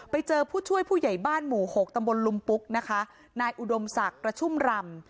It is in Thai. ไปเจอผู้ช่วยผู้ใหญ่บ้านหมู่หกตำบลลุมปุ๊กนะคะนายอุดมศักดิ์กระชุ่มรำ